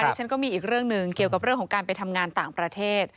ฉันก็มีอีกเรื่องหนึ่งเกี่ยวกับเรื่องของการไปทำงานต่างประเทศ